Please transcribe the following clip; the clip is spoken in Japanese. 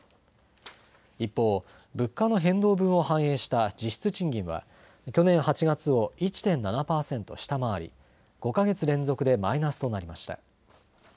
一方、物価の変動分を反映した実質賃金は去年８月を１．７％下回り５か月連続でマイナスとなりました。